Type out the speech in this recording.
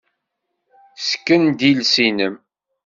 Ssken-d iles-nnem.